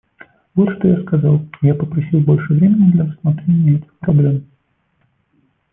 Вот что я сказал, и я попросил больше времени для рассмотрения этих проблем.